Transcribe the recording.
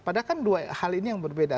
padahal kan dua hal ini yang berbeda